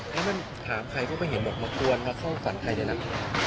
ให้มันถามใครก็ไปเห็นมากวนมาเข้าฝันใครด้วยนะ